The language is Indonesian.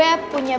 yah ini dia